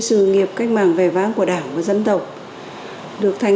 chúng tôi tạm giữ xe anh cũng là tốt cho anh